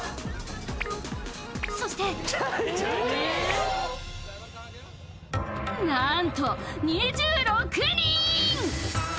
そして何と２６人！